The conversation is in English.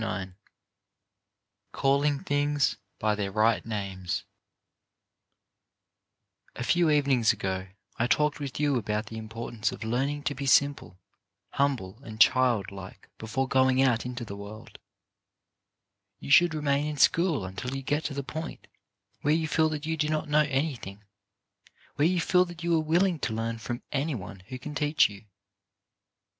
i CALLING THINGS BY THEIR RIGHT NAMES A few evenings ago I talked with you about the importance of learning to be simple, humble and child like before going out into the world. You should remain in school until you get to the point where you feel that you do not know any thing, where you feel that you are willing to learn from any one who can teach you.